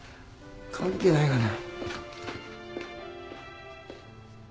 関係ないがな。